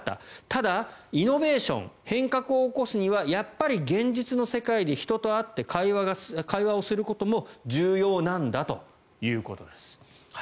ただ、イノベーション変革を起こすにはやっぱり現実の世界で人と会って会話をすることも重要なんだということです。